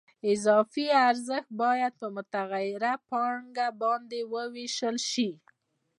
اضافي ارزښت باید په متغیره پانګه باندې ووېشل شي